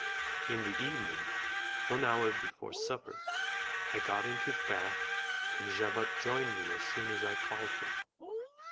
In the evening, one hour before supper, I got into the bath, and Javotte joined me as soon as I called her.